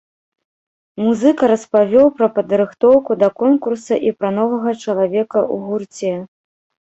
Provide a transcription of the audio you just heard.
Музыка распавёў пра падрыхтоўку да конкурса і пра новага чалавека ў гурце.